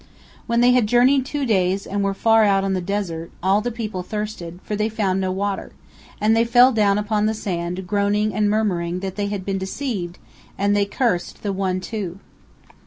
When they had journeyed two days and were far out on the desert, all the people thirsted, for they found no water, and they fell down upon the sand groaning and murmuring that they had been deceived, and they cursed the One Two.